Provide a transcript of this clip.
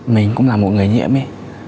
mình cũng là một người nhiễm ý